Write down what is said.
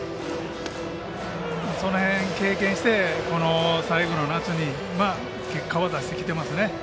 その辺を経験して最後の夏に結果を出してきていますね。